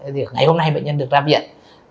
thì ngày hôm nay bệnh nhân được ra viện